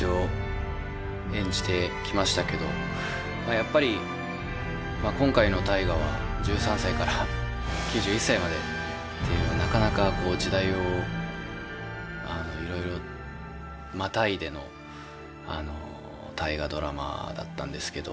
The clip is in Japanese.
やっぱり今回の「大河」は１３歳から９１歳までというなかなか時代をいろいろまたいでの「大河ドラマ」だったんですけど